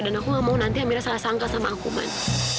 dan aku gak mau nanti amira salah sangka sama aku man